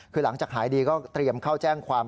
คือหลังจากหายดีก็เตรียมเข้าแจ้งความ